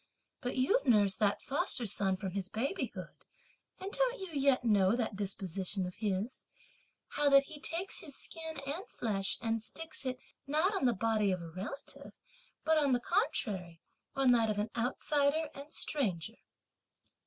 But you've nursed that foster son from his babyhood, and don't you yet know that disposition of his, how that he takes his skin and flesh and sticks it, (not on the body of a relative), but, on the contrary, on that of an outsider and stranger?